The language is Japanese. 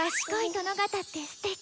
殿方ってすてき！